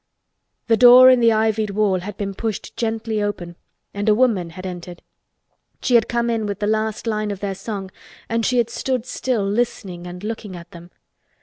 The door in the ivied wall had been pushed gently open and a woman had entered. She had come in with the last line of their song and she had stood still listening and looking at them.